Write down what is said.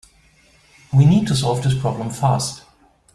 We need to solve this problem fast.